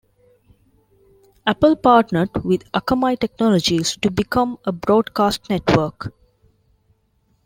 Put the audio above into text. Apple partnered with Akamai Technologies to become a broadcast network.